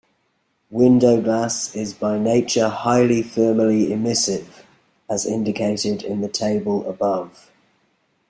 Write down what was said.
Window glass is by nature highly thermally emissive, as indicated in the table above.